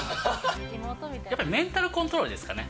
やっぱりメンタルコントロールですかね。